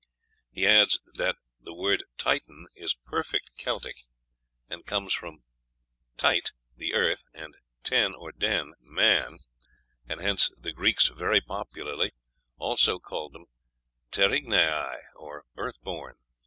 He adds that the word Titan "is perfect Celtic, and comes from tit, the earth, and ten or den, man, and hence the Greeks very properly also called them terriginæ, or earth born."